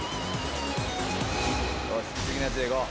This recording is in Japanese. よし次のやつでいこう。